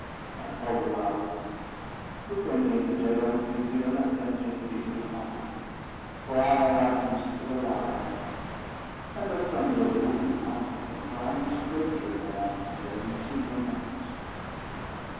I called aloud: "If any of the dead are moving here, let them take pity upon me, for I, alas! am still alive; and let some dead woman comfort me, for I am a stranger in the land of the dead, and see no light."